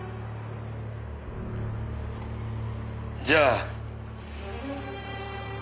じゃあ。